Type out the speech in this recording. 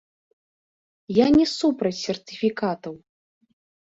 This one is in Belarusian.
Я не супраць сертыфікатаў.